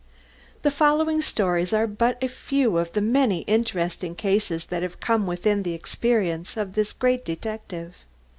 The following stories are but a few of the many interesting cases that have come within the experience of this great detective.